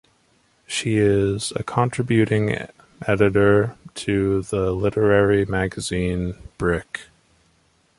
She is a contributing editor to the literary magazine "Brick".